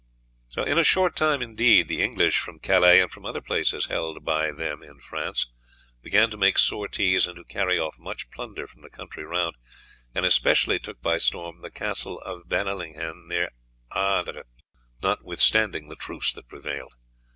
_ In a short time, indeed, the English from Calais, and from other places held by them in France, began to make sorties and to carry off much plunder from the country round, and especially took by storm the Castle of Banelinghen near Ardres, notwithstanding the truce that prevailed.